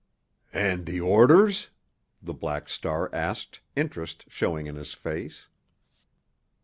"And the orders?" the Black Star asked, interest showing in his face.